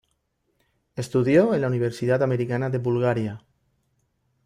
Estudió en la Universidad Americana de Bulgaria.